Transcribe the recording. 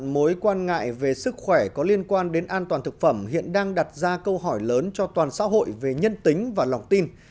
mối quan ngại về sức khỏe có liên quan đến an toàn thực phẩm hiện đang đặt ra câu hỏi lớn cho toàn xã hội về nhân tính và lòng tin